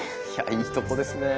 いいとこですね。